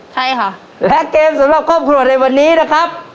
ใช่ค่ะและเกมสำหรับครอบครัวในวันนี้นะครับ